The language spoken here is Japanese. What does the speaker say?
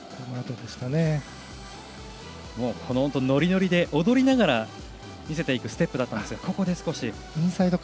ノリノリで踊りながら見せていくステップだったんですがここで少し。